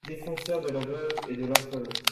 Défenseur de la veuve et de l’orphelin.